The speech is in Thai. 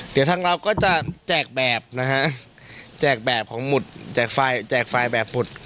เดี๋ยวทางเราก็จะแจกแบบนะฮะแจกแบบของหมุดแจกไฟแจกไฟล์แบบหมุด